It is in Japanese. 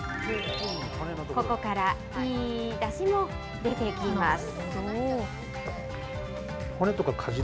ここから、いいだしも出てきます。